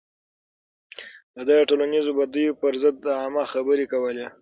ده د ټولنيزو بديو پر ضد عامه خبرې کولې.